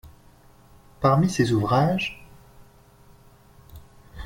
Parmi ses ouvrages,